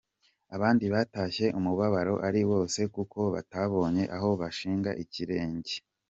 abandi batashye umubabaro ari wose kuko batabonye aho bashinga ikirenge ngo.